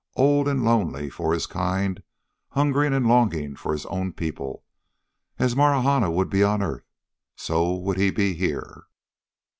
Old and lonely for his kind, hungering and longing for his own people. As Marahna would be on earth, so would he be here....